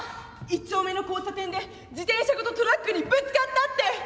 「一丁目の交差点で自転車ごとトラックにぶつかったって」。